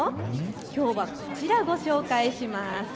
きょうはこちら、ご紹介します。